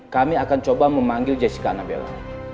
kami akan coba memanggil jessica nabella